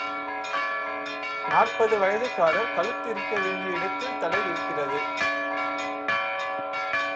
நாற்பது வயதுக்காரர் கழுத்து இருக்க வேண்டிய இடத்தில் தலை இருக்கிறது.